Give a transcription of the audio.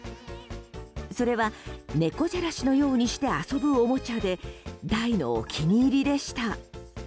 それは、猫じゃらしのようにして遊ぶおもちゃで大のお気に入りでした。